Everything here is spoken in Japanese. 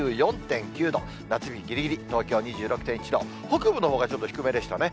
２４．９度、夏日ぎりぎり、東京２６．１度、北部のほうがちょっと低めでしたね。